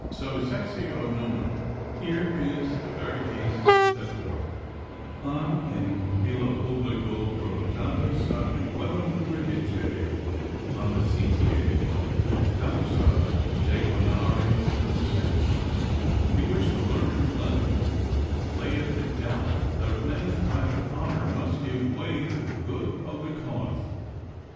'Subisectio nona' 'here is the very case set forth, "An in hello publico provocatus ad duellum privatae amicitiae causa declinare possit," in which the learned Fleming layeth it down that a man's private honour must give way to the good of the cause.